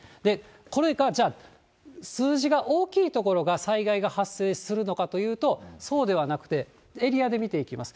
これがじゃあ、数字が大きい所が災害が発生するのかというと、そうではなくて、エリアで見ていきます。